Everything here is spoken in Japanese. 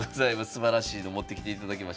すばらしいの持ってきていただきました。